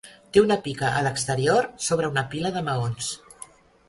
Té una pica a l'exterior sobre una pila de maons.